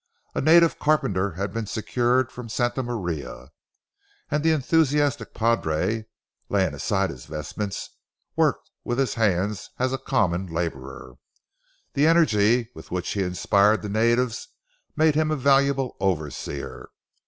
A native carpenter had been secured from Santa Maria, and the enthusiastic padre, laying aside his vestments, worked with his hands as a common laborer. The energy with which he inspired the natives made him a valuable overseer.